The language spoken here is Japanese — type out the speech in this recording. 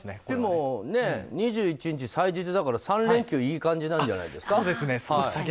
でも、２１日は祭日だから３連休いい感じなんじゃないですか。